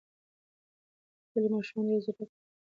د کلي ماشومان ډېر ځیرک دي.